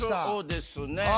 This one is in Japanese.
そうですね。